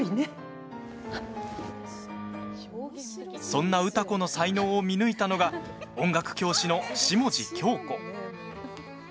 そんな歌子の才能を見抜いたのが音楽教師の下地響子。